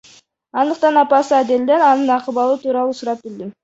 Андыктан апасы Аделден анын акыбалы тууралуу сурап билдим.